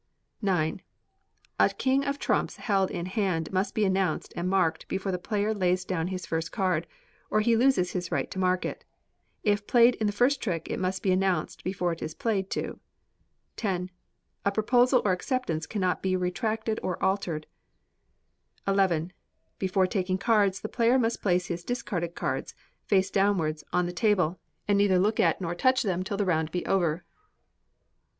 ix. A king of trumps held in hand must be announced and marked before the player lays down his first card, or he loses his right to mark it. If played in the first trick, it must be announced before it is played to. x. A proposal or acceptance cannot be retracted or altered. xi. Before taking cards, the player must place his discarded cards, face downwards, on the table, and neither look at or touch them till the round be over.